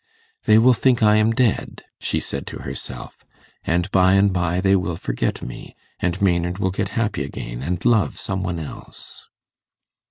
'They will think I am dead,' she said to herself, 'and by and by they will forget me, and Maynard will get happy again, and love some one else.